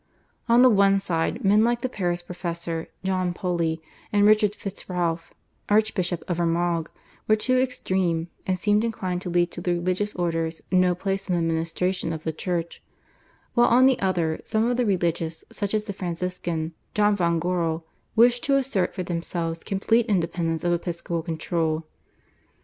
On the one side, men like the Paris professor, John Poilly and Richard Fitzralph, Archbishop of Armagh, were too extreme and seemed inclined to leave to the religious orders no place in the ministration of the Church, while on the other, some of the religious, such as the Franciscan, John von Gorrel, wished to assert for themselves complete independence of episcopal control.